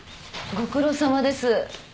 ご苦労さまです。